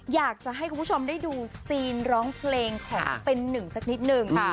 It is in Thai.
อยากจะให้คุณผู้ชมได้ดูซีนร้องเพลงของเป็นหนึ่งสักนิดนึง